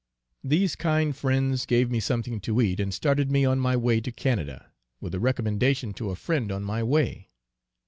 These kind friends gave me something to eat and started me on my way to Canada, with a recommendation to a friend on my way.